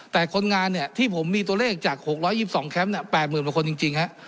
แต่คนงานที่ผมได้ตัวเลข๖๒๒แคมป์เนี่ย๘๐๐๐๐คนจริงครับ